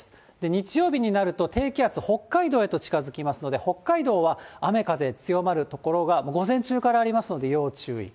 日曜日になると、低気圧、北海道へと近づきますので、北海道は雨風強まる所がもう午前中からありますので、要注意。